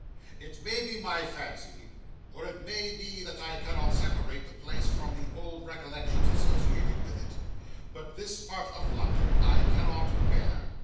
] 'It may be my fancy, or it may be that I cannot separate the place from the old recollections associated with it, but this part of London I cannot bear.